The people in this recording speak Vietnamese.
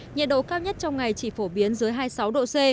nhiệt độ cao nhất trong ngày chỉ phổ biến dưới hai mươi sáu độ c